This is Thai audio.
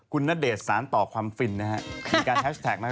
คุณนดีชสารต่อความฟินนะครับ